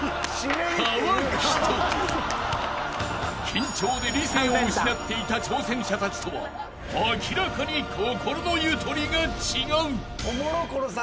［緊張で理性を失っていた挑戦者たちとは明らかに心のゆとりが違う］